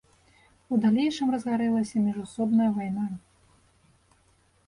У далейшым разгарэлася міжусобная вайна.